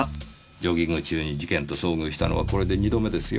ジョギング中に事件と遭遇したのはこれで二度目ですよ？